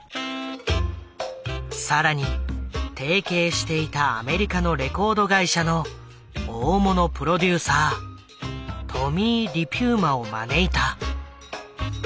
更に提携していたアメリカのレコード会社の大物プロデューサートミー・リピューマを招いた。